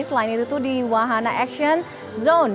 selain itu tuh di wahana action zone